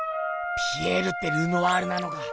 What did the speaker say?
ピエールってルノワールなのか。